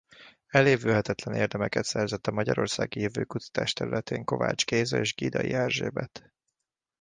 Elévülhetetlen érdemeket szerzett a magyarországi jövőkutatás területén Kovács Géza és Gidai Erzsébet.